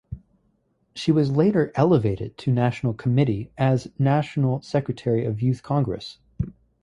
She was later elevated to national committee as national secretary of Youth Congress.